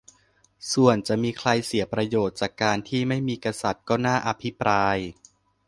ส่วนจะมีใครเสียประโยชน์จากการที่ไม่มีกษัตริย์ ก็น่าอภิปราย